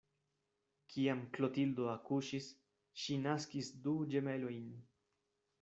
Kiam Klotildo akuŝis, ŝi naskis du ĝemelojn.